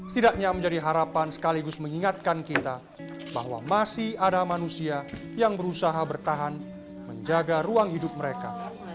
setidaknya menjadi harapan sekaligus mengingatkan kita bahwa masih ada manusia yang berusaha bertahan menjaga ruang hidup mereka